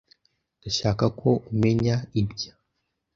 Ndashaka ko umenya ibya .